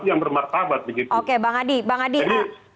yang bermaktabat begitu